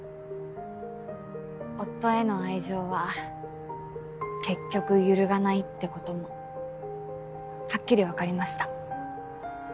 夫への愛情は結局揺るがないってこともはっきり分かりました。